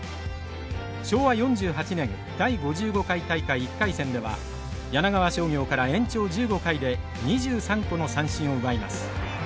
昭和４８年第５５回大会１回戦では柳川商業から延長１５回で２３個の三振を奪います。